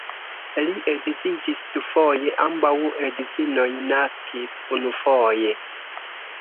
Li edziĝis dufoje, ambaŭ edzinoj naskis unufoje.